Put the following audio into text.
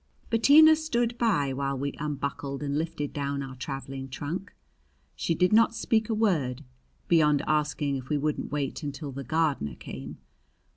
Bettina stood by while we unbuckled and lifted down our traveling trunk. She did not speak a word, beyond asking if we wouldn't wait until the gardener came.